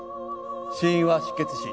死因は失血死。